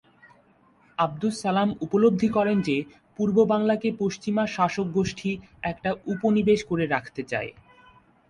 আবদুস সালাম উপলব্ধি করেন যে পূর্ব বাংলাকে পশ্চিমা শাসকগোষ্ঠী একটা উপনিবেশ করে রাখতে চায়।